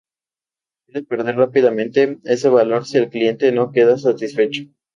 Puede perder rápidamente ese valor si el cliente no queda satisfecho.